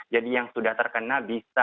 jadi yang sudah terkena